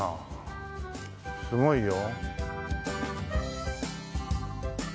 すごいよ。